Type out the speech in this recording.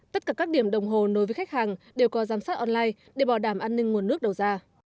tất cả các điểm đồng hồ nối với khách hàng đều có giám sát online để bảo đảm an ninh nguồn nước đầu ra